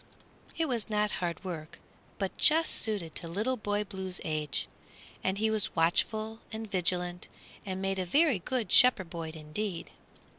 It was not hard work, but just suited to Little Boy Blue's age, and he was watchful and vigilant and made a very good shepherd boy indeed.